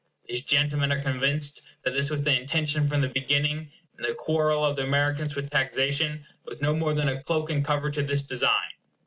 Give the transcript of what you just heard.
These gentlemen are convinced that this was the intention from the beginning, and the quarrel of the Americans with taxation was no more than a cloak and cover to this design.